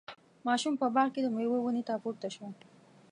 ماشوم په باغ کې د میوو ونې ته پورته شو.